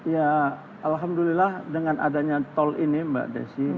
ya alhamdulillah dengan adanya tol ini mbak desi